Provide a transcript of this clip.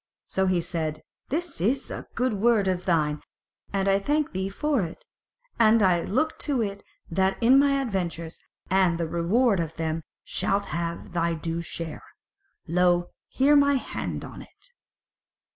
So he said: "This is a good word of thine, and I thank thee for it; and look to it that in my adventures, and the reward of them thou shalt have thy due share. Lo here my hand on it!"